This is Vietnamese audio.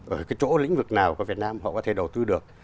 ở cái chỗ lĩnh vực nào có việt nam họ có thể đầu tư được